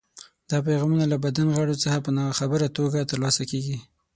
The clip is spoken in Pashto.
دا پیغامونه له بدن غړو څخه په ناخبره توګه ترلاسه کېږي.